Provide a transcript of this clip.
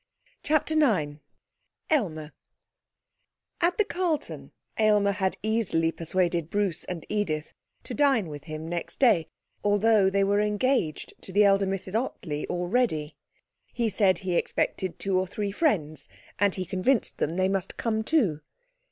CHAPTER IX Aylmer At the Carlton Aylmer had easily persuaded Bruce and Edith to dine with him next day, although they were engaged to the elder Mrs Ottley already. He said he expected two or three friends, and he convinced them they must come too.